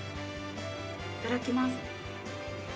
いただきます。